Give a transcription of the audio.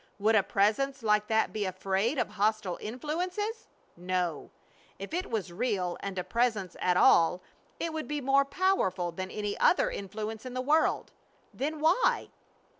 Would a Presence like that be afraid of hostile influences? No. If it was real and a Presence at all it would be more powerful than any other influence in the universe. Then why?